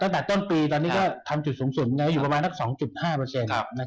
ตั้งแต่ต้นปีตอนนี้ก็ทำจุดสูงสุดอยู่ประมาณสัก๒๕